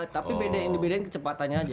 tapi bedain bedain kecepatannya aja